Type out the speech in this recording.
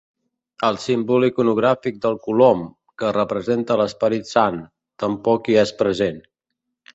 El símbol iconogràfic del colom, que representa l'Esperit Sant, tampoc hi és present.